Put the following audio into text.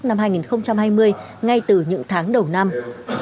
năm hai nghìn hai mươi ngay từ những tháng đầu năm